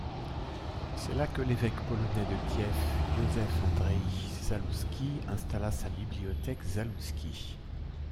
C'est là que l'évêque polonais de Kiev, Józef Andrzej Załuski installa sa bibliothèque Załuski.